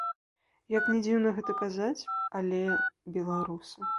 Як ні дзіўна гэта казаць, але беларусы.